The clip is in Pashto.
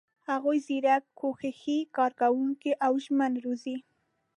هغوی زیرک، کوښښي، کارکوونکي او ژمن روزي.